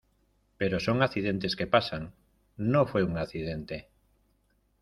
pero son accidentes que pasan. no fue un accidente .